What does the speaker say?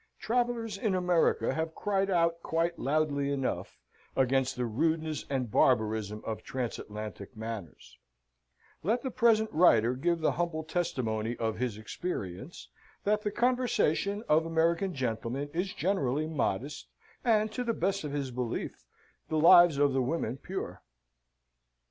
Travellers in America have cried out quite loudly enough against the rudeness and barbarism of transatlantic manners; let the present writer give the humble testimony of his experience that the conversation of American gentlemen is generally modest, and, to the best of his belief, the lives of the women pure.